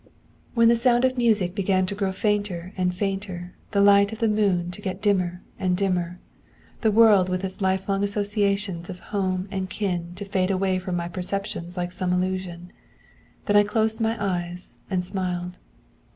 'When the sound of the music began to grow fainter and fainter; the light of the moon to get dimmer and dimmer; the world with its lifelong associations of home and kin to fade away from my perceptions like some illusion; then I closed my eyes, and smiled.